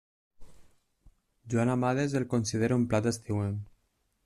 Joan Amades el considera un plat estiuenc.